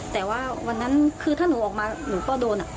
แต่ว่าวันนั้นคือถ้าหนูออกมาหนูก็โดน